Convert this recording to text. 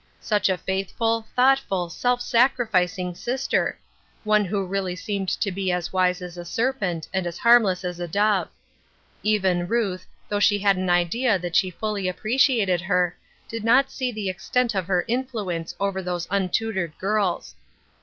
Such a faith ful, thoughtful, self sacrificing sister !— one who really seemed to be as " wise as a serpent, and as harmless as a dove." Even Ruth, thougli she had an idea that she fully appreciated her, did not see the extent of her influence over those untutored girls.